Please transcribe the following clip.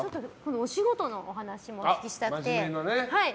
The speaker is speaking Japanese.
お仕事のお話もお聞きしたくて。